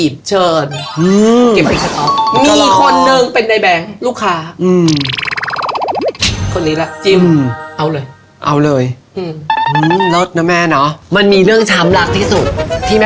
บิกไกแบงก์เนี่ยแหละ